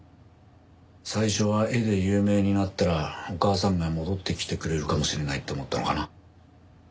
最初は絵で有名になったらお母さんが戻ってきてくれるかもしれないって思ったのかな？